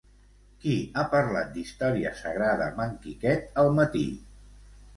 Qui ha parlat d'Història Sagrada amb en Quiquet al matí?